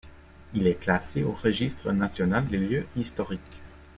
Il est classé au Registre national des lieux historiques.